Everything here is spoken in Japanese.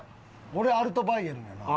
俺アルトバイエルンやな。